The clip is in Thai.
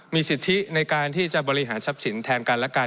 มีสิทธิในการที่จะบริหารทรัพย์สินแทนกันและกัน